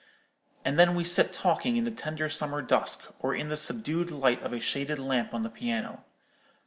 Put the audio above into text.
And then we sit talking in the tender summer dusk, or in the subdued light of a shaded lamp on the piano.